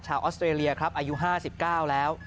ออสเตรเลียครับอายุ๕๙แล้ว